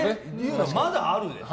まだあるでしょ？